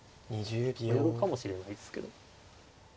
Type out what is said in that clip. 寄るかもしれないですけど。